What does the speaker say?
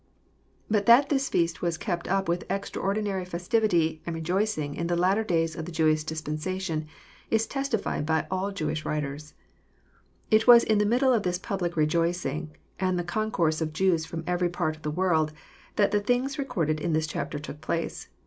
But that this feast was kept up with extraordinary festivity and rejoicing in the latter days of the Jewish dispensation is testified by all Jewish writers. It was in the middle of this public rejoicing, and the con course of Jews from every part of the world, that the things recorded in this chapter took place.